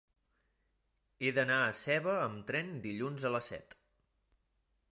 He d'anar a Seva amb tren dilluns a les set.